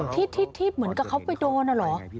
ที่เหมือนกับเขาไปโดนน่ะเหรอ